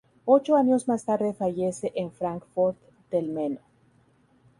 Ocho años más tarde fallece en Francfort del Meno.